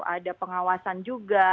ada pengawasan juga